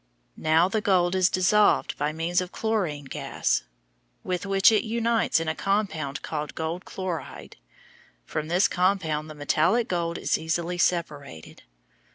Now the gold is dissolved by means of chlorine gas, with which it unites in a compound called gold chloride. From this compound the metallic gold is easily separated.